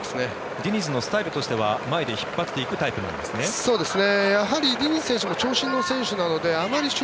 ディニズのスタイルとしては前で引っ張っていくタイプなんですね？